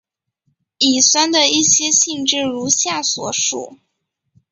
乙酸的一些性质如下所述。